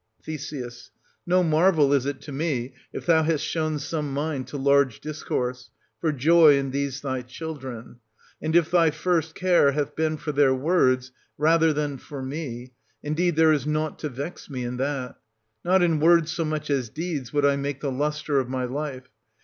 Th. No marvel is it to me, if thou hast shown some 1 140 mind to large discourse, for joy in these thy children, and if thy first care hath been for their words, rather than for me ; indeed, there is nought to vex me in that. Not in words so much as deeds would I make the lustre of my life.